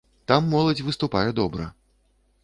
Там моладзь выступае добра.